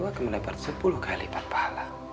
aku mendapat sepuluh kali lipat pahala